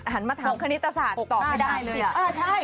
หันมาทำ๖คณิตศาสตร์ตอบไม่ได้เลยอ่ะ๖คณิตศาสตร์๑๐ตัว